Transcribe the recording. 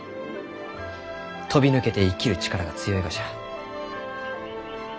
飛び抜けて生きる力が強いがじゃ。